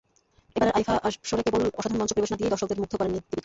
এবারের আইফা আসরে কেবল অসাধারণ মঞ্চ পরিবেশনা দিয়েই দর্শকদের মুগ্ধ করেননি দীপিকা।